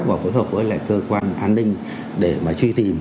và phối hợp với lại cơ quan an ninh để mà truy tìm